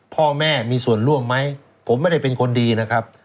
พ่อแม่มีส่วนร่วมไหมผมไม่ได้เป็นคนดีนะครับ